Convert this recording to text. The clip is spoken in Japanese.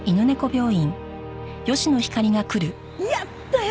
やったよ！